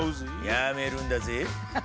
やめるんだぜぇ。